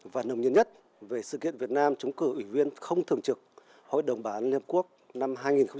và nồng nhiên nhất về sự kiện việt nam chống cử ủy viên không thường trực hội đồng bán liên hợp quốc năm hai nghìn hai mươi